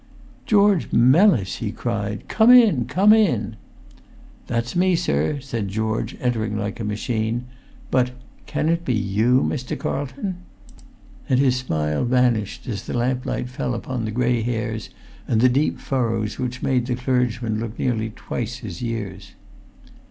"George Mellis?" he cried. "Come in—come in!" "That's me, sir," said George, entering like a machine. "But—can it be you, Mr. Carlton?" [Pg 386]And his smile vanished as the lamplight fell upon the grey hairs and the deep furrows which made the clergyman look nearly twice his years.